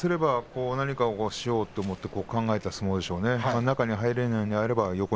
高安は何かしようと思って考えた相撲でしょうね。